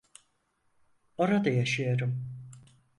Orada yaşıyorum.